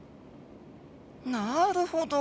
なるほど。